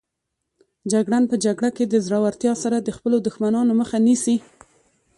جګړن په جګړه کې د زړورتیا سره د خپلو دښمنانو مخه نیسي.